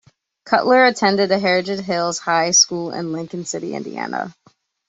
Cutler attended Heritage Hills High School in Lincoln City, Indiana.